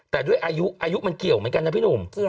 แต่ด้วยอายุมันเกี่ยวเหมือนกันนะพี่หนุ่ม